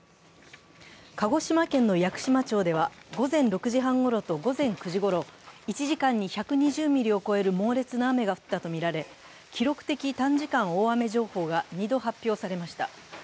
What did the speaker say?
鹿児島県の屋久島町では午前６時半ごろと午前９時ごろ１時間に１２０ミリを超える猛烈な雨が降ったとみられ、記録的短時間大雨情報が２度発表されました。